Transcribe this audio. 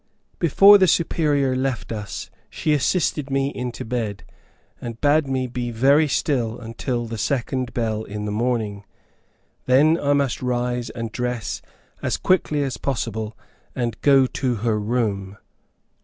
Before the Superior left us she assisted me into bed, and bade me be very still until the second bell in the morning. Then, I must rise and dress as quickly as possible, and go to her room.